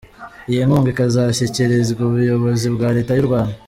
Iyi nkunga ikazashyikirizwa ubuyobozi bwa Leta y’u Rwanda.